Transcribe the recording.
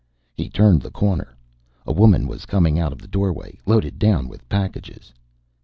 He turned the corner. A woman was coming out of a doorway, loaded down with packages.